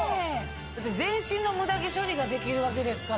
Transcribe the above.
だって全身のムダ毛処理ができるわけですからね。